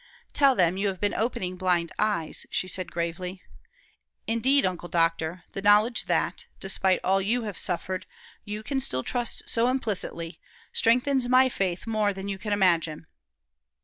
"Tell them you have been opening blind eyes," she said, gravely. "Indeed, Uncle Doctor, the knowledge that, despite all you have suffered, you can still trust so implicitly, strengthens my faith more than you can imagine."